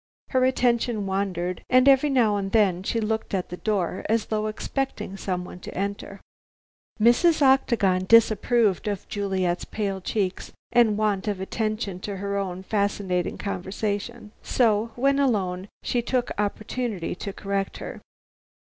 Her attention wandered, and every now and then she looked at the door as though expecting someone to enter. Mrs. Octagon disapproved of Juliet's pale cheeks and want of attention to her own fascinating conversation, so, when alone, she took the opportunity to correct her.